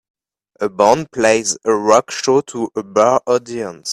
A band plays a rock show to a bar audience